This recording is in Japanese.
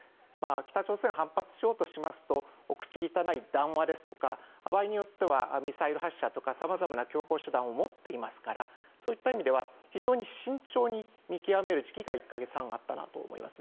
北朝鮮は反発しようとしますと口汚い談話ですとか場合によってはミサイル発射とかさまざまな強硬手段を持っていますからそういった意味では非常に慎重に見極める時期が１か月半あったなと思います。